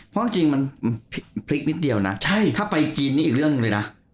เพราะจริงมันเสรียดนิดเดียวนะใช่ถ้าไปจีนนี่อีกเรื่องเลยน่ะ